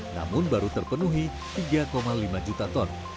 namun baru terpenuhi tiga lima juta ton